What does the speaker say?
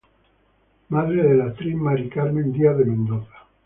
Madre de la actriz Mari Carmen Díaz de Mendoza.